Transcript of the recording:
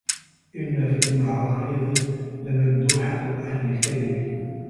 إنَّ فِي الْمَعَارِيضِ لَمَنْدُوحَةً عَنْ الْكَذِبِ